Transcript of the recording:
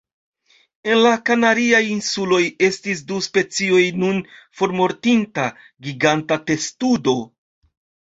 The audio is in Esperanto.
En la Kanariaj Insuloj estis du specioj nun formortinta giganta testudo.